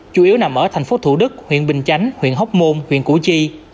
chủ yếu nằm ở thành phố thủ đức huyện bình chánh huyện hóc môn huyện củ chi